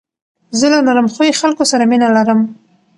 زه له نرم خوی خلکو سره مینه لرم.